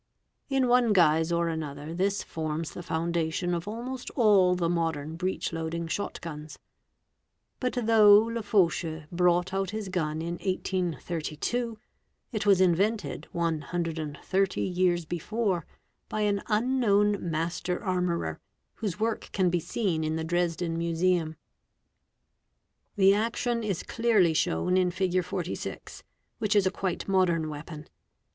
In one guise or another this forms the foundation of almost all the modern breech loading shot guns. But though Lefaucheux brought out his gun in 1832, it was invented 130 years before by an unknown — master armourer, whose work can be seen in the Dresden Museum. fig. 46. ; The action is clearly shown in Fig. 46, which is a quite moderr weapon.